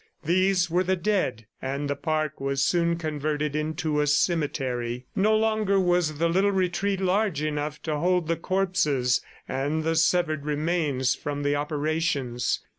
These were the dead, and the park was soon converted into a cemetery. No longer was the little retreat large enough to hold the corpses and the severed remains from the operations.